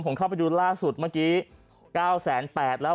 ผมเข้าไปดูล่าสุดเมื่อกี้๙๘๐๐แล้ว